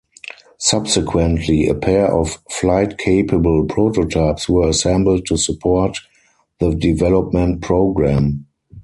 Subsequently, a pair of flight-capable prototypes were assembled to support the development program.